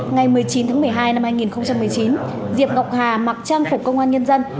ngày một mươi chín tháng một mươi hai năm hai nghìn một mươi chín diệp ngọc hà mặc trang phục công an nhân dân